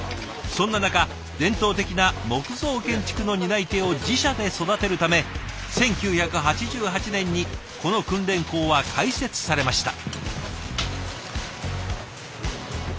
そんな中伝統的な木造建築の担い手を自社で育てるため１９８８年にこの訓練校は開設されました。